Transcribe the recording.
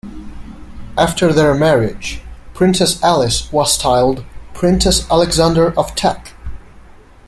After their marriage, Princess Alice was styled Princess Alexander of Teck.